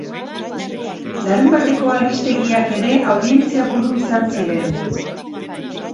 Larunbateko albistegiak ere audientzia-buru izan ziren.